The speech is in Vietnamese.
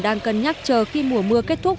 đang cân nhắc chờ khi mùa mưa kết thúc